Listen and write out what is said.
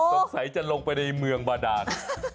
สงสัยจะลงไปในเมืองบาดาน